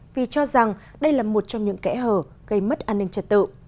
vì cho rằng đây là một trong những kẽ hở gây mất an ninh trật tự